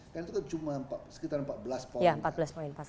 karena itu cuma sekitar empat belas poin